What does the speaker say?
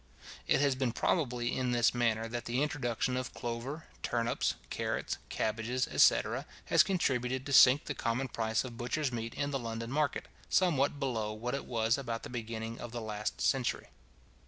It has been probably in this manner that the introduction of clover, turnips, carrots, cabbages, etc. has contributed to sink the common price of butcher's meat in the London market, somewhat below what it was about the beginning of the last century.